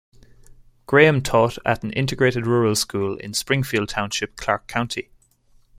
Graham taught at an integrated rural school in Springfield Township, Clark County.